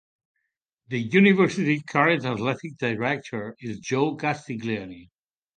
The university's current athletic director is Joe Castiglione.